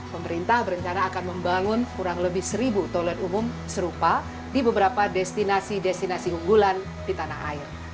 pemerintah berencana akan membangun kurang lebih seribu toilet umum serupa di beberapa destinasi destinasi unggulan di tanah air